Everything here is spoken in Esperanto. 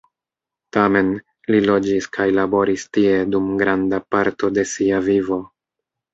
Tamen, li loĝis kaj laboris tie dum granda parto de sia vivo.